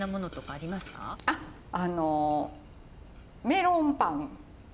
あのメロンパン。